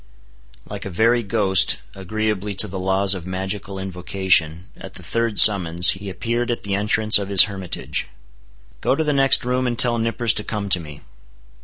Like a very ghost, agreeably to the laws of magical invocation, at the third summons, he appeared at the entrance of his hermitage. "Go to the next room, and tell Nippers to come to me."